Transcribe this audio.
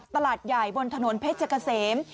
ตลาดใหญ่บนถนนเพชรเกษม